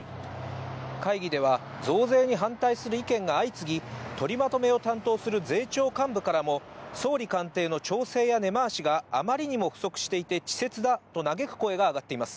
会議では増税に反対する意見が相次ぎ、取りまとめを担当する税調幹部からも、総理官邸の調整や根回しがあまりにも不足していて稚拙だと嘆く声が上がっています。